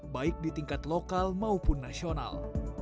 baik di tingkat lokal maupun nasional